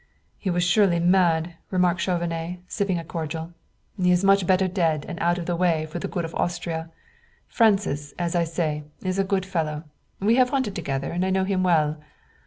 "He was surely mad," remarked Chauvenet, sipping a cordial. "He is much better dead and out of the way for the good of Austria. Francis, as I say, is a good fellow. We have hunted together, and I know him well."